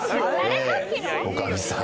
女将さん。